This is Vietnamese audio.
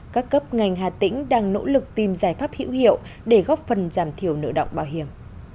các cấp ngành hà tĩnh đang nỗ lực tìm giải pháp hữu hiệu để góp phần giảm thiểu nợ động bảo hiểm